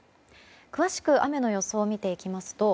詳しく雨の予想を見ていきますと